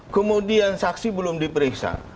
kemudian saksi belum diperiksa